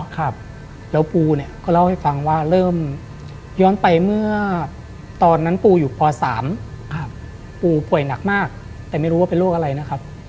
ครับแล้วปูเนี่ยก็เล่าให้ฟังว่าเริ่มย้อนไปเมื่อตอนนั้นปูอยู่ป๓ครับปูป่วยหนักมากแต่ไม่รู้ว่าเป็นโรคอะไรนะครับ